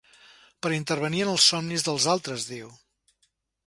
Per intervenir en els somnis dels altres, diu.